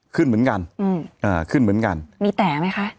ขึ้นเหมือนกันอืมอ่าขึ้นเหมือนกันมีแต่ไหมคะ